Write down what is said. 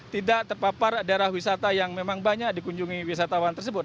tidak terpapar daerah wisata yang memang banyak dikunjungi wisatawan tersebut